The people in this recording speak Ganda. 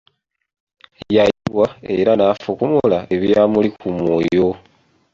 Yayiwa era nafukumula ebyamuli ku mwoyo.